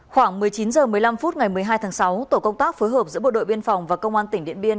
khoảng một mươi chín h một mươi năm phút ngày một mươi hai tháng sáu tổ công tác phối hợp giữa bộ đội biên phòng và công an tỉnh điện biên